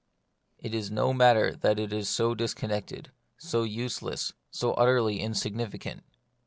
It is no matter that it is so disconnected, so useless, so utterly insigni ficant.